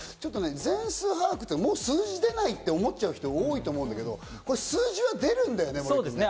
全数把握って、もう数字が出ないと思っちゃう人がいると思うんだけど、数字は出るんだよね？